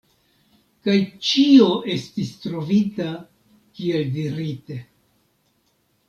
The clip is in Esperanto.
Kaj ĉio estis trovita, kiel dirite.